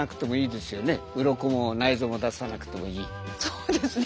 そうですね。